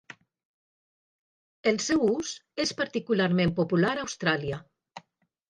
El seu ús és particularment popular a Austràlia.